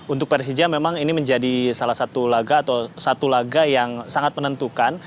untuk persija memang ini menjadi salah satu laga atau satu laga yang sangat menentukan